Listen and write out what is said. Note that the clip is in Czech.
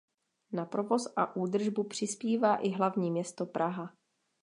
Na provoz a údržbu přispívá i hlavní město Praha.